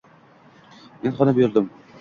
Men xona buyurdim.